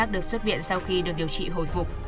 điều trị hồi phục